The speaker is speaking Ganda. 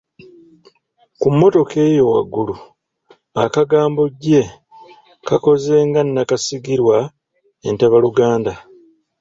Ku mmotoka eyo waggulu, akagambo "gye" kakoze nga nakasigirwa entabaluganda.